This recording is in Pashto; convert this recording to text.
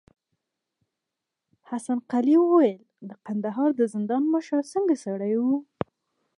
حسن قلي وويل: د کندهار د زندان مشر څنګه سړی و؟